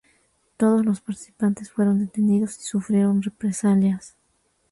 Todos los participantes fueron detenidos y sufrieron represalias.